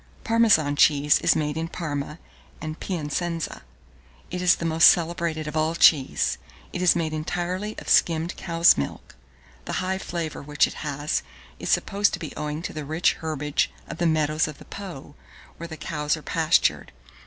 Parmesan cheese is made in Parma and Piacenza. It is the most celebrated of all cheese: it is made entirely of skimmed cow's milk. The high flavour which it has, is supposed to be owing to the rich herbage of the meadows of the Po, where the cows are pastured.